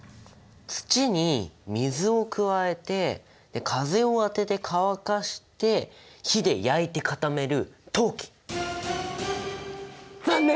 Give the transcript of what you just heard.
土に水を加えて風を当てて乾かして火で焼いて固める残念！